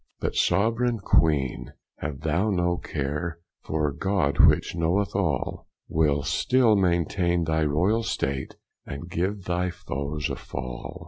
But soveraigne Queene, have thou no care, For God, which knoweth all, Will still maintaine thy royall state, And give thy foes a fall.